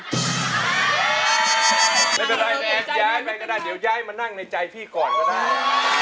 ไม่เป็นไรแม่ย้ายไปก็ได้เดี๋ยวย้ายมานั่งในใจพี่ก่อนก็ได้